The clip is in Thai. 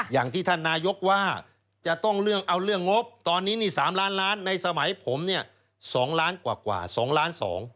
อย่างที่ท่านนายกว่าจะต้องเรื่องเอาเรื่องงบตอนนี้นี่๓ล้านล้านในสมัยผมเนี่ย๒ล้านกว่า๒ล้าน๒